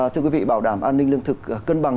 thưa quý vị bảo đảm an ninh lương thực cân bằng